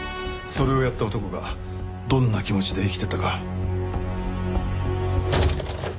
それをやった男がどんな気持ちで生きてたか。